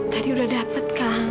tadi udah dapat kak